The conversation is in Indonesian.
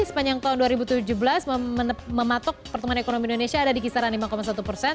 sepanjang tahun dua ribu tujuh belas mematok pertumbuhan ekonomi indonesia ada di kisaran lima satu persen